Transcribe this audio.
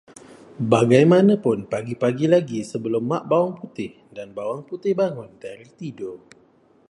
Bagaimanapun pagi-pagi lagi sebelum Mak Bawang Putih dan Bawang Putih bangun dari tidur